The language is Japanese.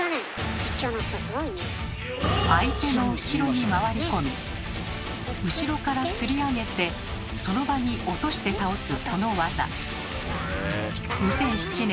相手の後ろに回り込み後ろから吊り上げてその場に落として倒すこの技。